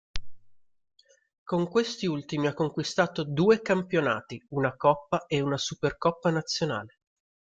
Con questi ultimi ha conquistato due campionati, una coppa e una supercoppa nazionale.